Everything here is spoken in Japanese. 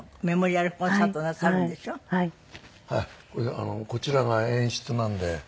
こちらが演出なんでああせえ